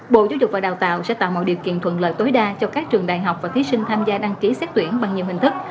bộ giáo dục và đào tạo sẽ tạo mọi điều kiện thuận lợi tối đa cho các trường đại học và thí sinh tham gia đăng ký xét tuyển bằng nhiều hình thức